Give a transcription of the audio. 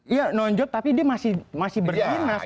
iya non job tapi dia masih berdinas pak